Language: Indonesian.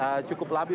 dikatakan cukup labil